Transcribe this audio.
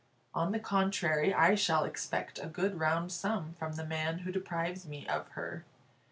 On the contrary, I shall expect a good round sum from the man who deprives me of her.